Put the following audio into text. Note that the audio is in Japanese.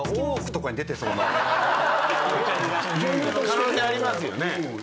可能性ありますよね。